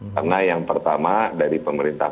karena yang pertama dari pemerintah